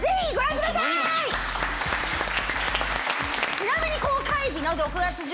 ちなみに。